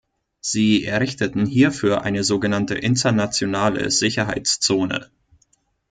Sie errichteten hierfür eine sogenannte "Internationale Sicherheitszone".